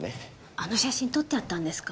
あの写真とってあったんですか？